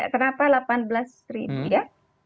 kenapa delapan belas ribu ya